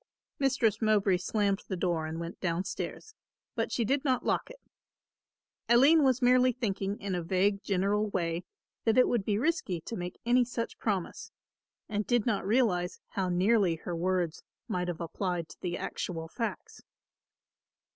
Mistress Mowbray slammed the door and went down stairs. But she did not lock it. Aline was merely thinking in a vague general way that it would be risky to make any such promise and did not realise how nearly her words might have applied to the actual facts.